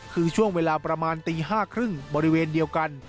คือช่วงเวลาประมาณตี๕๓๐บริเวณเดียวกัน